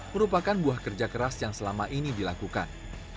merupakan buah kerja keras yang selama ini dilakukan